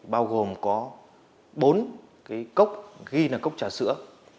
bao gồm có bốn cái cốc ghi là cốc trà sữa